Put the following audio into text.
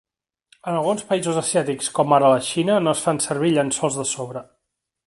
En alguns països asiàtics, com ara a la Xina, no es fan servir llençols de sobre.